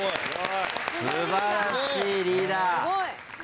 素晴らしいリーダー。